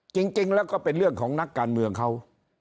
จริงแล้วก็เป็นเรื่องของนักการเมืองเขา